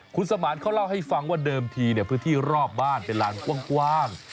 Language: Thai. คุณสมานเขาเล่าให้ฟังว่าเดิมทีพื้นที่รอบบ้านเป็นลานกว้าง